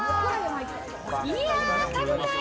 いや、食べたい！